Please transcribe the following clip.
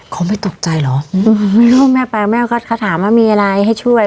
เขาไม่ตกใจเหรอไม่รู้แม่ไปแม่ก็เขาถามว่ามีอะไรให้ช่วย